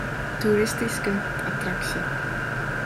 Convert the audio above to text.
Toeristyske attraksje.